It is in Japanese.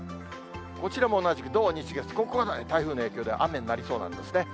こちらも同じく土日月、ここが台風の影響で雨になりそうなんですね。